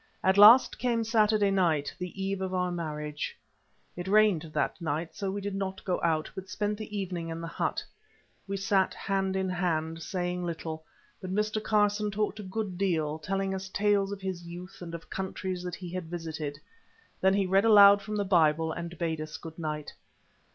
At last came Saturday night, the eve of our marriage. It rained that night, so we did not go out, but spent the evening in the hut. We sat hand in hand, saying little, but Mr. Carson talked a good deal, telling us tales of his youth, and of countries that he had visited. Then he read aloud from the Bible, and bade us goodnight.